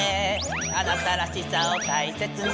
「あなたらしさをたいせつに」